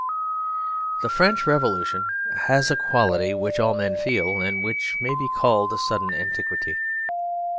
The French Revolution has a quality which all men feel; and which may be called a sudden antiquity.